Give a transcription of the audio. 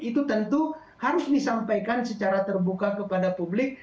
itu tentu harus disampaikan secara terbuka kepada publik